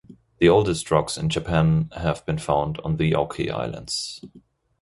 The oldest rocks in Japan have been found on the Oki Islands.